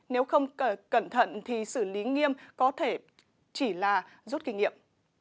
nếu không cẩn thận thì xử lý nghiêm có thể chỉ là rút kinh nghiệm